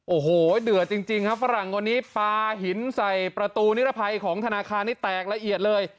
โอ้โหเดือดจริงครับฝรั่งคนนี้ปลาหินใส่ประตูนิรภัยของธนาคารนี้แตกละเอียดเลย